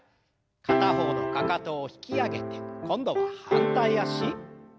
片方のかかとを引き上げて今度は反対脚。